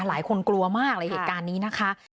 หลายคนกลัวมากเลยเหตุการณ์นี้นะคะ